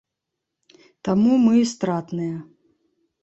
Таму мы і стратныя.